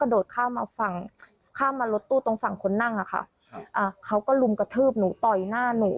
โดดข้ามมาฝั่งข้ามมารถตู้ตรงฝั่งคนนั่งอ่ะค่ะครับอ่าเขาก็ลุมกระทืบหนูต่อยหน้าหนู